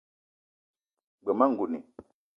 G-beu ma ngouni